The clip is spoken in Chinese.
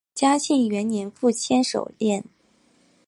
嘉庆元年赴千叟宴。